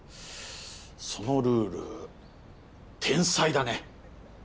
そのルール天才だね。